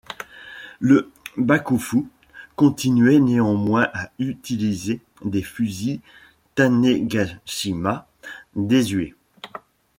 Le Bakufu continuait néanmoins à utiliser des fusils Tanegashima désuets.